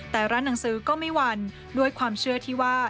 แต่ร้านหนังสือก็ไม่หวั่นด้วยความเชื่อที่ว่า